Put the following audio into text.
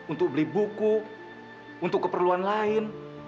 untuk beli buku untuk keperluan lain